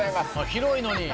広いのに。